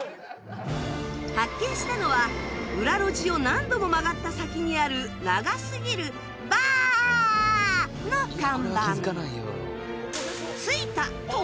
発見したのは裏路地を何度も曲がった先にある長すぎる「バー」の看板